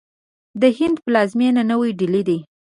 د هند پلازمینه نوی ډهلي ده.